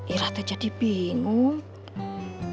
iratnya jadi bingung